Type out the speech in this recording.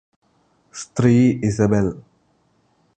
സ്ത്രീ ഇസബെല്